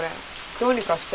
どうにかして。